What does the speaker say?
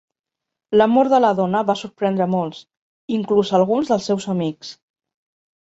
La mort de la dona va sorprendre a molts, inclús a alguns dels seus amics.